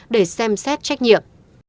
để xem xét trách nhiệm